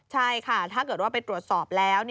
ใช่ค่ะถ้าเกิดว่าไปตรวจสอบแล้ว